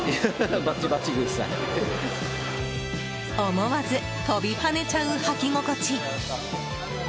思わず飛び跳ねちゃう履き心地。